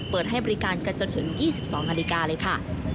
เปิดให้บริการกันจนถึง๒๒นาฬิกาเลยค่ะ